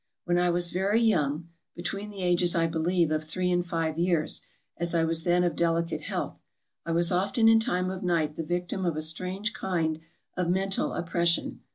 When I was very young (between the ages, I believe, of three and five years), as I was then of delicate health, I was often in time of night the victim of a strange kind of mental oppression.